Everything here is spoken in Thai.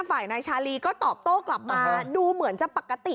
ฝ่ายนายชาลีก็ตอบโต้กลับมาดูเหมือนจะปกติ